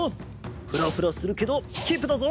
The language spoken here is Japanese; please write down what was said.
フラフラするけどキープだぞ。